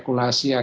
kita harus berpikir